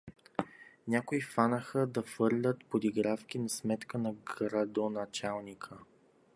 Някои фанаха да фърлят подигравки на сметка на градоначалника.